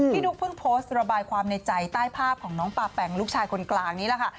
นุ๊กเพิ่งโพสต์ระบายความในใจใต้ภาพของน้องปาแปงลูกชายคนกลางนี้แหละค่ะ